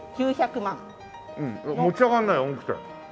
持ち上がらないよ重くて。